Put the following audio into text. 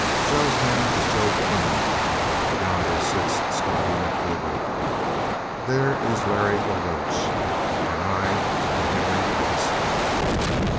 Joe's name is Joe Clune. Yonder sits Scottie Macdougal. There is Larry la Roche. And I am Henry Allister."